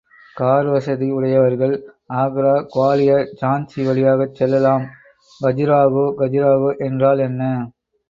Car வசதி உடையவர்கள் ஆக்ரா, குவாலியர், ஜான்சி வழியாகச் செல்லலாம், கஜுராஹோ... கஜுராஹோ என்றால் என்ன?